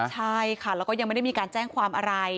ใช่ค่ะแล้วก็ยังไม่ได้มีการแจ้งความอะไร